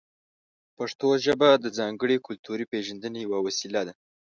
پښتو ژبه د ځانګړې کلتوري پېژندنې یوه وسیله ده.